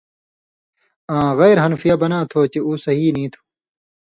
آں غیر حنفیہ بناں تھہ چے اُو صحیح نی تھو۔